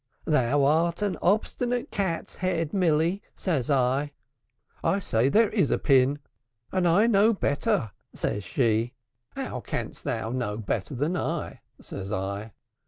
'Thou art an obstinate cat's head. Milly,' says I. 'I say there is a pin.' 'And I know better,' says she. 'How canst thou know better than I?' says I.